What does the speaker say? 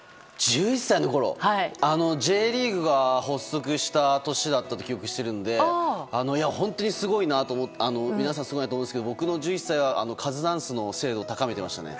Ｊリーグが発足した年だったと記憶しているので、皆さん本当にすごいなと思うんですけど僕の１１歳はカズダンスの精度を高めていましたね。